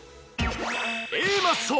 Ａマッソ。